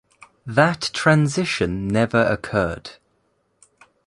That transition never occurred.